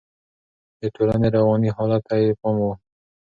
د ټولنې رواني حالت ته يې پام و.